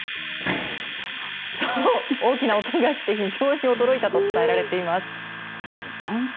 そう、大きな音がして非常に驚いたと伝えられています。